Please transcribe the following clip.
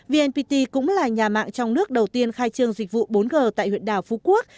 vnpt cũng là nhà mạng trong nước đầu tiên khai trương dịch vụ bốn g tại huyện đảo phú quốc